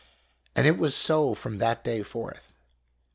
And it was so from that day forth.